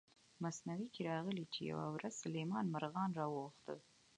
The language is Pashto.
مثنوي کې راغلي چې یوه ورځ سلیمان مارغان را وغوښتل.